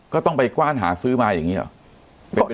ก็ต้องไปกว้านหาซื้อมาอย่างนี้หรอ